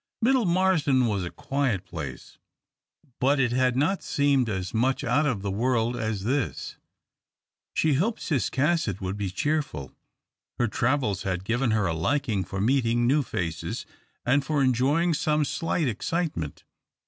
Middle Marsden was a quiet place, but it had not seemed as much out of the world as this. She hoped Ciscasset would be cheerful. Her travels had given her a liking for meeting new faces, and for enjoying some slight excitement.